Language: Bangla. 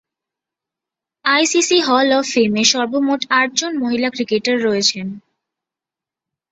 আইসিসি হল অব ফেমে সর্বমোট আটজন মহিলা ক্রিকেটার রয়েছেন।